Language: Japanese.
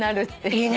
いいね。